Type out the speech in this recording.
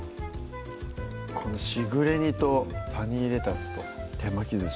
このしぐれ煮とサニーレタスと手巻き寿司